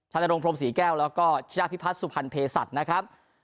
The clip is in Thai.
นรงพรมศรีแก้วแล้วก็ชนะพิพัฒน์สุพรรณเพศัตริย์นะครับ